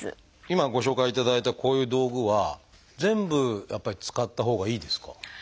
今ご紹介いただいたこういう道具は全部やっぱり使ったほうがいいですか？